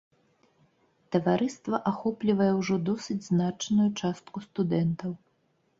Таварыства ахоплівае ўжо досыць значную частку студэнтаў.